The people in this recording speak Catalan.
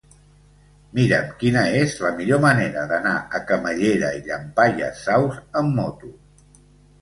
Mira'm quina és la millor manera d'anar a Camallera i Llampaies Saus amb moto.